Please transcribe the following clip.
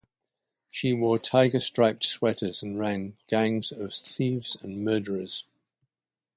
She wore tiger-striped sweaters and ran gangs of thieves and murderers.